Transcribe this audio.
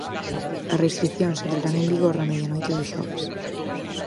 As restricións entrarán en vigor na medianoite do xoves.